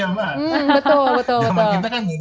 zaman kita kan nggak ada sosial media